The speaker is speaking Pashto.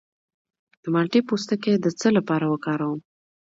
د مالټې پوستکی د څه لپاره وکاروم؟